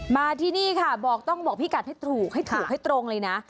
มาที่นี่ค่ะบอกต้องบอกพี่กัดให้ถูกให้ถูกให้ตรงเลยนะ